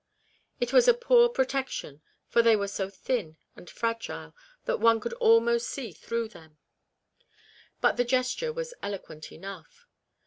It was a poor pro tection, for they were so thin and fragile that one could almost see through them, but the gesture was eloquent enough.